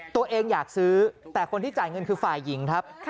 ตัวเองอยากซื้อแต่คนที่จ่ายเงินคือฝ่ายหญิงครับ